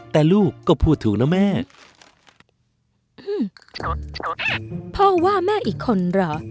แต่ลูกก็พูดถูกนะแม่อืมรถพ่อว่าแม่อีกคนเหรอ